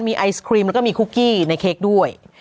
มีไอศครีมแล้วก็มีคุกกี้ในเค้กด้วย